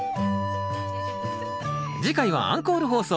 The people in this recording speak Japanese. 次回はアンコール放送